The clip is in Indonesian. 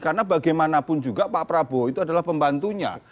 karena bagaimanapun juga pak prabowo itu adalah pembantunya